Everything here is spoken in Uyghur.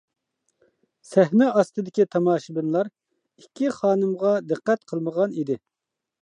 سەھنە ئاستىدىكى تاماشىبىنلار ئىككى خانىمغا دىققەت قىلمىغان ئىدى.